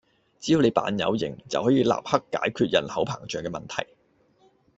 只要你扮有型，就可以立刻解決人口膨脹嘅問題